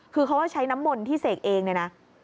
คือเขาก็ใช้น้ำมนต์ที่เสกเองเนี่ยนะ